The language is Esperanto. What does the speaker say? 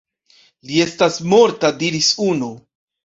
Li estas morta, diris unu.